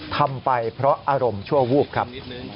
ทำไปเพราะอารมณ์ชั่ววูบครับ